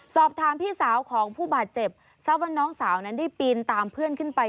สอบถามพี่สาวของผู้บาดเจ็บทราบว่าน้องสาวนั้นได้ปีนตามเพื่อนขึ้นไป